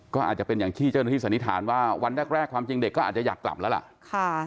ก็อาจจะเป็นอย่างที่เจ้าหน้าที่สันนิษฐานว่าวันแรกความจริงเด็กก็อาจจะอยากกลับแล้วล่ะ